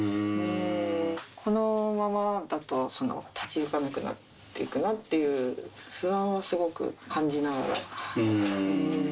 このままだと立ち行かなくなっていくなっていう、不安はすごく感じながら。